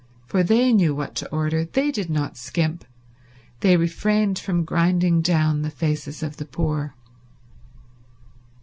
For they knew what to order; they did not skimp; they refrained from grinding down the faces of the poor.